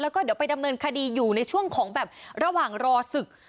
แล้วก็เดี๋ยวไปดำเนินคดีอยู่ในช่วงของแบบระหว่างรอศึก